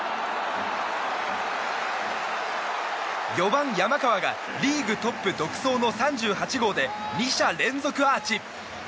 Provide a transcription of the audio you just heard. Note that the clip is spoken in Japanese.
４番、山川がリーグトップ独走の３８号で２者連続アーチ。